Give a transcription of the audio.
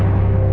tidak akan ada